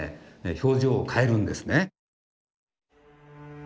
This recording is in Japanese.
表情を変えるんですね。